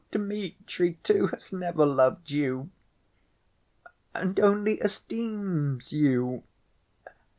And Dmitri, too, has never loved you ... and only esteems you....